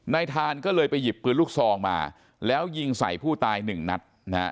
ทานก็เลยไปหยิบปืนลูกซองมาแล้วยิงใส่ผู้ตายหนึ่งนัดนะฮะ